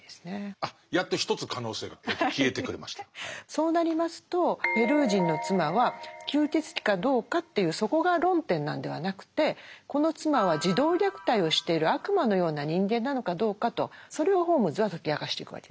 そうなりますとペルー人の妻は吸血鬼かどうかというそこが論点なんではなくてこの妻は児童虐待をしている悪魔のような人間なのかどうかとそれをホームズは解き明かしていくわけです。